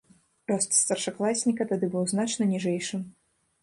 Рост старшакласніка тады быў значна ніжэйшым.